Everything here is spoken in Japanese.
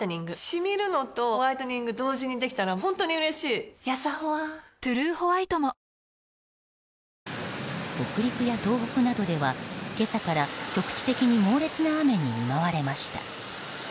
シミるのとホワイトニング同時にできたら本当に嬉しいやさホワ「トゥルーホワイト」も北陸や東北などでは今朝から局地的に猛烈な雨に見舞われました。